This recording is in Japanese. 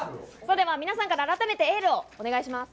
では、皆さんから改めてエールをお願いします。